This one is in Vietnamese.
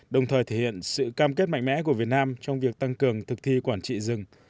đồng thời thể hiện sự cam kết mạnh mẽ của việt nam trong việc tăng cường thực thi quản trị rừng